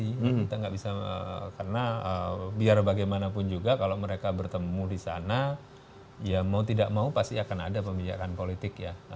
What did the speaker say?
kita nggak bisa karena biar bagaimanapun juga kalau mereka bertemu di sana ya mau tidak mau pasti akan ada pembicarakan politik ya